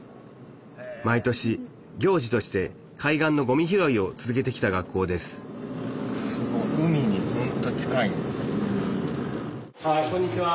毎年行事として海岸のごみ拾いを続けてきた学校ですあこんにちは。